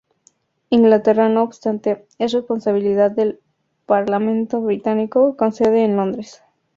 Inglaterra, no obstante, es responsabilidad del parlamento británico, con sede en Londres.